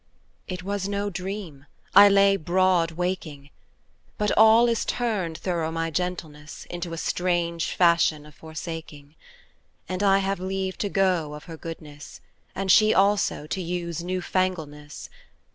It was no dream, I lay broad waking*.; {wide awake} But all is turned thorough my gentleness Into a strange fashion of forsaking; And I have leave to go of her goodness And she also to use newfangleness.